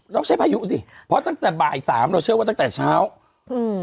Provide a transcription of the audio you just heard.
เราใช้พายุสิเพราะตั้งแต่บ่ายสามเราเชื่อว่าตั้งแต่เช้าอืม